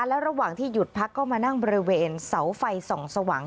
และระหว่างที่หยุดพักก็มานั่งบริเวณเสาไฟส่องสว่าง